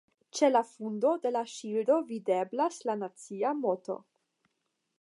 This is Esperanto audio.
Ĉe la fundo de la ŝildo videblas la nacia moto.